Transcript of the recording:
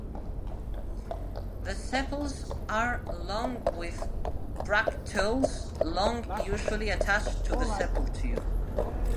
The sepals are long with bracteoles long usually attached to the sepal tube.